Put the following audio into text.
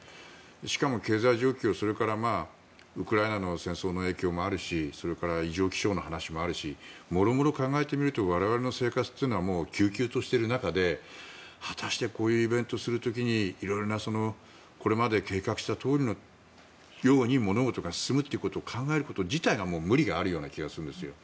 しかも経済状況、それからウクライナの戦争の影響もあるしそれから異常気象の話もあるしもろもろ考えてみると我々の生活というのはきゅうきゅうとしている中で果たしてこういうイベントをする時に色々なこれまで計画したように物事が進むということを考えること自体が無理がある気がするんですよ。